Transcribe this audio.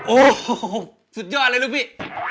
โอ้โหสุดยอดเลยลูกพี่